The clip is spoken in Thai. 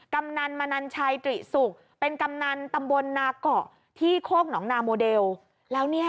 กำนันมนันชัยตริสุกเป็นกำนันตำบลนาเกาะที่โคกหนองนาโมเดลแล้วเนี่ย